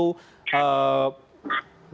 bisa jadi menjadi masalah yang mudah